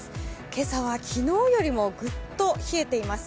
今朝は昨日よりもぐっと冷えています。